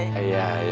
i larus pooh kayaknya